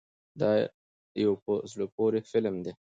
دا یو په زړه پورې فلم دی.